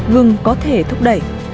gừng có thể thúc đẩy